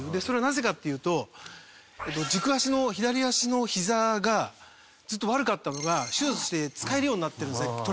それはなぜかっていうと軸足の左足の膝がずっと悪かったのが手術して使えるようになってるんですね